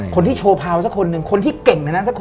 คนที่โชว์พาวสักคนนะ